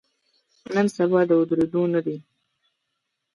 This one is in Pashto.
نن سبا د ودریدو نه دی.